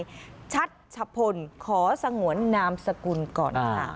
ชื่อว่านายชัตร์ชะพลขอสงวนนามสกุลก่อนค่ะ